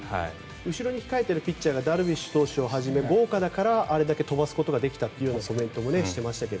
後ろに控えているピッチャーがダルビッシュ投手をはじめ豪華だからあれだけ飛ばすことができたというコメントもしてましたが。